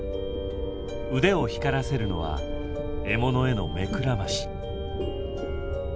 腕を光らせるのは獲物への目くらまし。